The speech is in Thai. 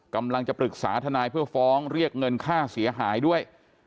กำลังจะปรึกษาทนายเพื่อฟ้องเรียกเงินค่าเสียหายด้วย